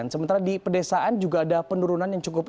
sementara di pedesaan juga ada penurunan yang cukup